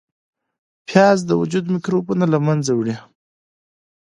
پیاز د وجود میکروبونه له منځه وړي